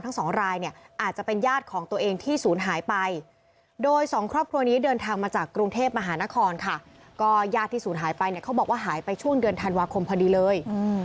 ก็ยาดที่สูญหายไปเขาบอกว่าหายไปช่วงเดือนธันวาคมพอดีเลย